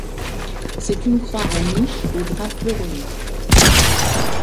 C’est une croix à niche aux bras fleuronnés.